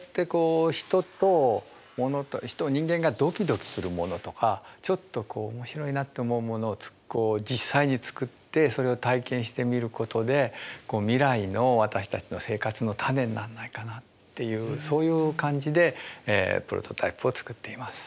人間がドキドキするものとかちょっと面白いなと思うものを実際に作ってそれを体験してみることで未来の私たちの生活のタネになんないかなっていうそういう感じでプロトタイプを作っています。